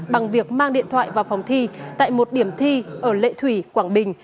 bằng việc mang điện thoại vào phòng thi tại một điểm thi ở lệ thủy quảng bình